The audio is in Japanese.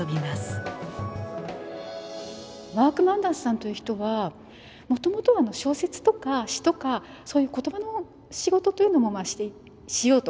マーク・マンダースさんという人はもともとは小説とか詩とかそういう言葉の仕事というのもまあしようと試みてた人なんです。